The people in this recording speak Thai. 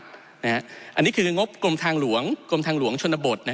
ที่เราจะต้องลดความเหลื่อมล้ำโดยการแก้ปัญหาเชิงโครงสร้างของงบประมาณ